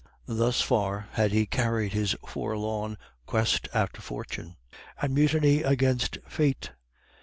Thus far had he carried his forlorn quest after Fortune, and mutiny against Fate.